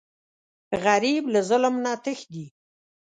غریب له ظلم نه تښتي